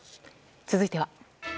続いては。